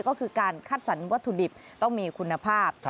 ก็คือการคัดสรรวัตถุดิบต้องมีคุณภาพ